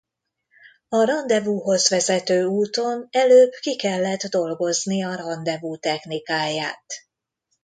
A randevúhoz vezető úton előbb ki kellett dolgozni a randevú technikáját.